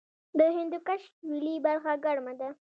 د هندوکش سویلي برخه ګرمه ده